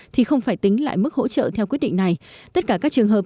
thì không phải tính lại mức hỗ trợ theo quyết định này tất cả các trường hợp